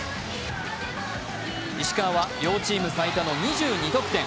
石川は両チーム最多の２２得点。